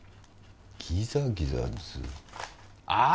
ギザギザズああ！